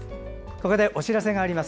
ここでお知らせがあります。